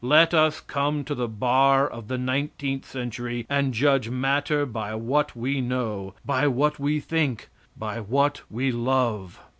Let us come to the bar of the nineteenth century and judge matter by what we know, by what we think, by what we love.